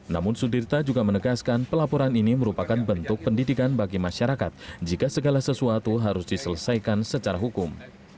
namun sudirta juga menegaskan pelaporan ini merupakan bentuk pendidikan bagi masyarakat jika segala sesuatu harus diselesaikan secara hukum